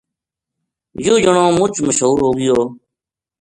یوہ جنو مچ مشہور ہوگیو